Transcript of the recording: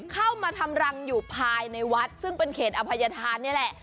เข้ามาทำรังอยู่ภายในวัดซึ่งเป็นเขตอภัยธานนี่แหละ